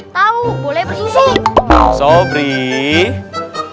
tau boleh bersisi